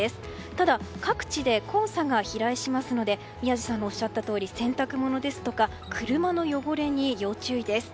ただ各地で黄砂が飛来しますので宮司さんがおっしゃったとおり洗濯物や車の汚れに要注意です。